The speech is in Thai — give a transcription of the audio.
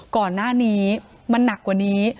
ก่อนหน้านี้มันหนักกว่านี้